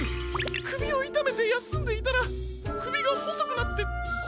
くびをいためてやすんでいたらくびがほそくなってこえまで。